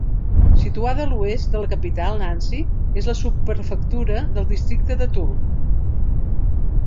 Situada a l'oest de la capital Nancy, és la subprefectura del districte de Toul.